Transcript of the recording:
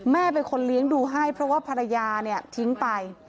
แม่เป็นคนเลี้ยงดูให้เพราะว่าภรรยาเนี่ยทิ้งไป